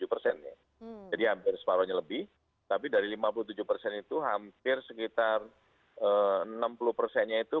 tujuh persen jadi hampir separuhnya lebih tapi dari lima puluh tujuh persen itu hampir sekitar enam puluh persennya itu